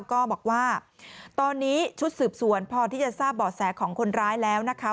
ก็บอกว่าตอนนี้ชุดสืบสวนพอที่จะทราบบ่อแสของคนร้ายแล้วนะคะ